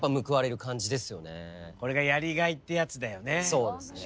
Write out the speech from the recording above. そうですね。